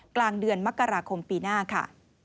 กลางเดือนมกราคมปีหน้าค่ะ